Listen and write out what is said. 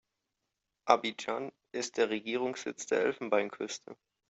Abidjan ist der Regierungssitz der Elfenbeinküste.